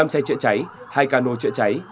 năm xe chữa cháy hai cano chữa cháy